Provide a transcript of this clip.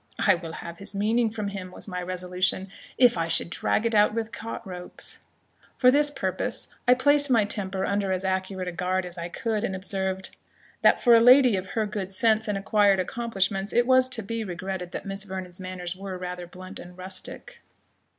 I will have his meaning from him," was my resolution, "if I should drag it out with cart ropes." For this purpose, I placed my temper under as accurate a guard as I could, and observed, "That, for a lady of her good sense and acquired accomplishments, it was to be regretted that Miss Vernon's manners were rather blunt and rustic."